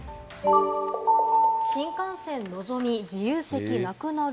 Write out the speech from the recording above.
新幹線・のぞみ、自由席なくなる。